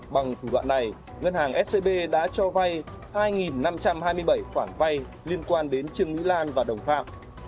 bằng thủ đoạn này ngân hàng scb đã cho vay hai năm trăm hai mươi bảy khoản vay liên quan đến trương mỹ lan và đồng phạm